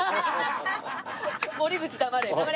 森口黙れ！